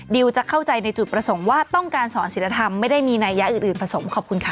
จะเข้าใจในจุดประสงค์ว่าต้องการสอนศิลธรรมไม่ได้มีนัยยะอื่นผสมขอบคุณค่ะ